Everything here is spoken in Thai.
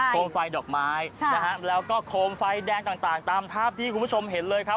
มไฟดอกไม้นะฮะแล้วก็โคมไฟแดงต่างตามภาพที่คุณผู้ชมเห็นเลยครับ